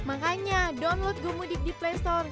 makanya download gomudik di play store